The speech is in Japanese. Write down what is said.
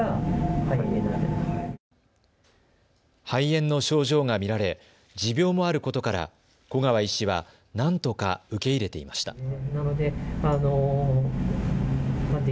肺炎の症状が見られ持病もあることから古川医師はなんとか受け入れていました。